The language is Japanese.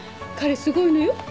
彼すごいのよ。